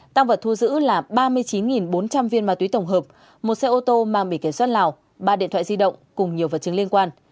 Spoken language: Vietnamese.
tăng vật thu giữ là ba mươi chín bốn trăm linh viên ma túy tổng hợp một xe ô tô mang bỉ kiểm soát lào ba điện thoại di động cùng nhiều vật chứng liên quan